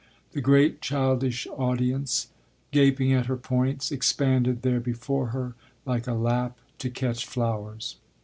The great childish audience, gaping at her points, expanded there before her like a lap to catch flowers.